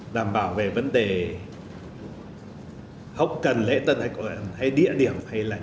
đảm bảo về vấn đề hốc cần lễ tân hay địa điểm